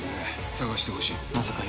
捜してほしい。